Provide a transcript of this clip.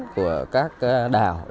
của các đảo